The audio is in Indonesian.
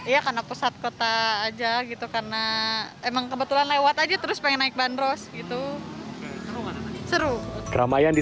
ya karena pusat kota aja gitu karena emang kebetulan lewat aja terus pengen naik bandros gitu seru keramaian di